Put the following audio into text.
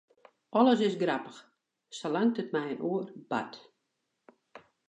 Alles is grappich, salang't it mei in oar bart.